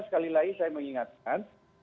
sekali lagi saya mengingatkan